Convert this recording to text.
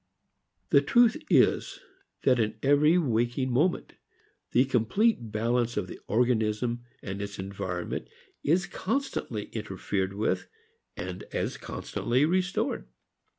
The truth is that in every waking moment, the complete balance of the organism and its environment is constantly interfered with and as constantly restored.